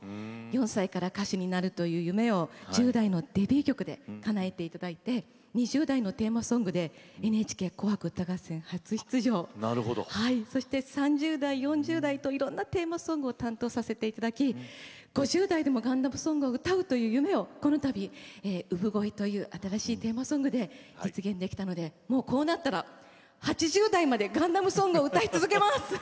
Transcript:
４歳から歌手になるという夢を１０代のデビュー曲でかなえていただいて２０代、テーマソングで「ＮＨＫ紅白歌合戦」初出場そして３０代４０代といろんなテーマソングを担当させていただき５０代でもガンダムソングを歌うという夢をこのたび「Ｕｂｕｇｏｅ」という新しいテーマソングで実現できたのでもうこうなったら８０代までガンダムソングを歌い続けます。